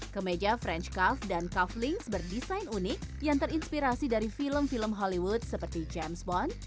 kemeja french cuff dan kavelings berdesain unik yang terinspirasi dari film film hollywood seperti james bond